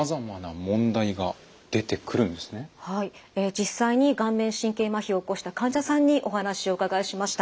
実際に顔面神経まひを起こした患者さんにお話をお伺いしました。